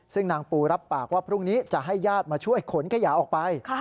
ซึ่งนางปูรับปากว่าพรุ่งนี้จะให้ญาติมาช่วยขนขยะออกไป